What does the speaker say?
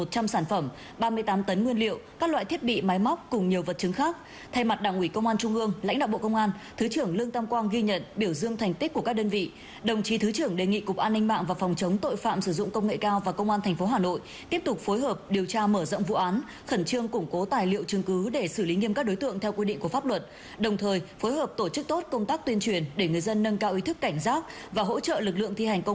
cùng nhiều vật chứng khác thay mặt đảng ủy công an trung ương lãnh đạo bộ công an thứ trưởng lương tâm quang ghi nhận biểu dương thành tích của các đơn vị đồng chí thứ trưởng đề nghị cục an ninh mạng và phòng chống tội phạm sử dụng công nghệ cao và công an tp hà nội tiếp tục phối hợp điều tra mở rộng vụ án khẩn trương củng cố tài liệu chứng cứ để xử lý nghiêm các đối tượng theo quy định của pháp luật đồng thời phối hợp tổ chức tốt công tác tuyên truyền để người dân nâng cao ý thức cảnh giác và hỗ trợ lực lượng